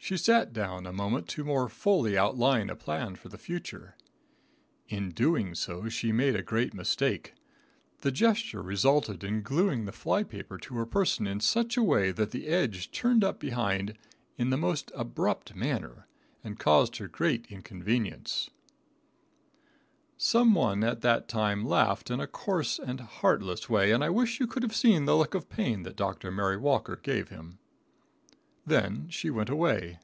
She sat down a moment to more fully outline a plan for the future. In doing so, she made a great mistake. The gesture resulted in glueing the fly paper to her person in such a way that the edge turned up behind in the most abrupt manner, and caused her great inconvenience. [Illustration: AT FIRST SHE REGARDED IT AS A JOKE.] Some one at that time laughed in a coarse and heartless way, and I wish you could have seen the look of pain that Dr. Mary Walker gave him. Then she went away.